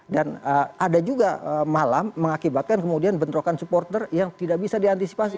dan ada juga malam mengakibatkan kemudian bentrokan supporter yang tidak bisa diantisipasi